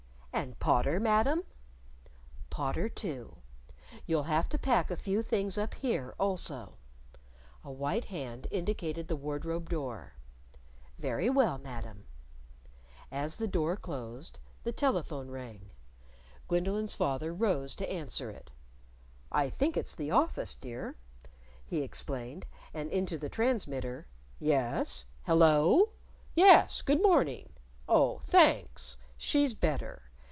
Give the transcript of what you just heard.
"And Potter, Madam?" "Potter, too. You'll have to pack a few things up here also." A white hand indicated the wardrobe door. "Very well, Madam." As the door closed, the telephone rang. Gwendolyn's father rose to answer it. "I think it's the office, dear," he explained; and into the transmitter "Yes?... Hello?... Yes. Good morning!... Oh, thanks! She's better....